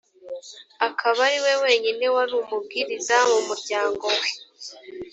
akaba ari we wenyine wari umubwiriza mu muryango we